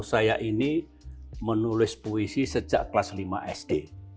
saya ini menulis puisi sejak kelas lima sd